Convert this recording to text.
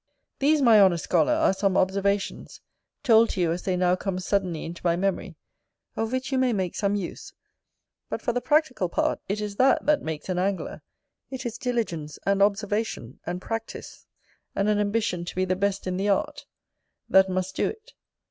These, my honest scholar, are some observations, told to you as they now come suddenly into my memory, of which you may make some use: but for the practical part, it is that that makes an angler: it is diligence, and observation, and practice, and an ambition to be the best in the art, that must do it.